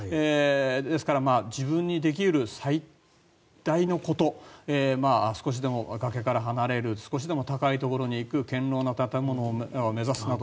ですから自分にでき得る最大のこと少しでも崖から離れる少しでも高い建物に行く堅牢な建物を目指すなど。